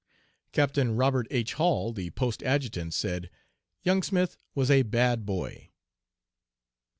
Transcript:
"Captain Robert H. Hall, the post adjutant, said: 'Young Smith was a bad boy.'